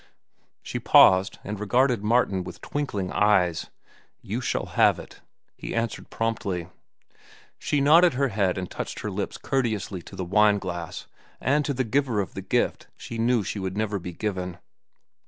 She paused and regarded Martin with twinkling eyes. "You shall have it," he answered promptly. She nodded her head and touched her lips courteously to the wine glass and to the giver of the gift she knew would never be given.